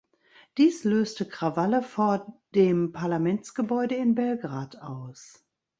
Dies löste Krawalle vor dem Parlamentsgebäude in Belgrad aus.